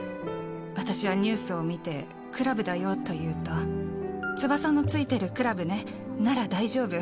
私はニュースを見て、クラブだよと言うと、翼のついてるクラブね、なら大丈夫。